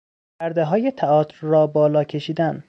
پردههای تئاتر را بالا کشیدن